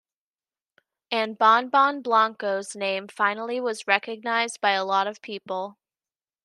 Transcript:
And Bon-Bon Blanco's name finally was recognized by a lot of people.